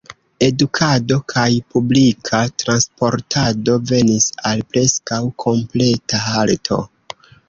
Edukado kaj publika transportado venis al preskaŭ kompleta halto.